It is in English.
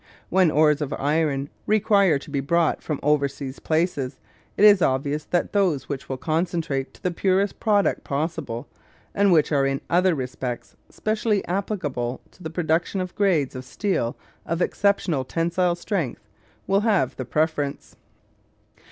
When ores of iron require to be brought from oversea places, it is obvious that those which will concentrate to the purest product possible, and which are in other respects specially applicable to the production of grades of steel of exceptional tensile strength, will have the preference.